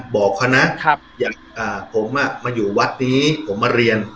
บอกเขานะครับอยากอ่าผมอ่ะมาอยู่วัดนี้ผมมาเรียน